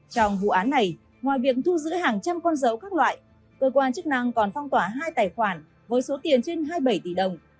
trong vụ án này ngoài việc thu giữ hàng trăm con dấu các loại cơ quan chức năng còn phong tỏa hai tài khoản với số tiền trên hai mươi bảy tỷ đồng